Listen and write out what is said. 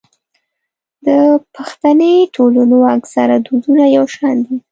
د پښتني ټولنو اکثره دودونه يو شان دي.